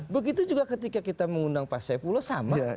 begitu juga ketika kita mengundang pak saipulo sama